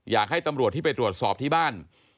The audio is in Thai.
อยากให้ตำรวจที่ไปตรวจสอบที่บ้าน